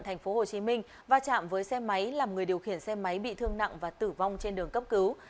thành phố hồ chí minh va chạm với xe máy làm người điều khiển xe máy bị thương nặng và tử vong trên đường cấp cứu